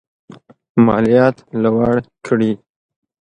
مالیات لوړ کړي.